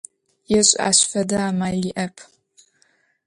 Ежь ащ фэдэ амал иӏэп.